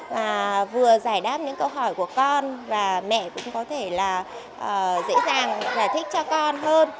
và vừa giải đáp những câu hỏi của con và mẹ cũng có thể là dễ dàng giải thích cho con hơn